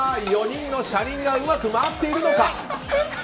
４人の車輪がうまく回っているのか。